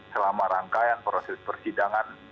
selama rangkaian proses persidangan